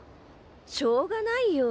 しょうがないよ。